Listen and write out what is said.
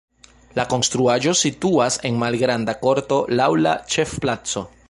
La konstruaĵo situas en malgranda korto laŭ la ĉefplaco.